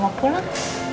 ibu mau pulang